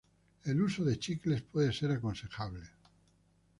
El uso de chicles puede ser aconsejable.